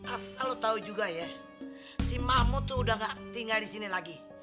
asal lo tau juga ya si mahmud tuh udah enggak tinggal di sini lagi